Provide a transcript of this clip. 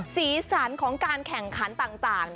ศีลสรรค์ของการแข่งขันต่าง